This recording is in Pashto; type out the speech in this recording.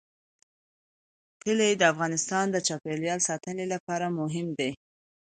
کلي د افغانستان د چاپیریال ساتنې لپاره مهم دي.